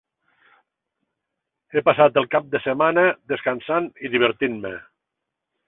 He passat el cap de setmana descansant i divertint-me.